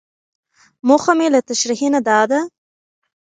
موخه مې له تشريحي نه دا ده.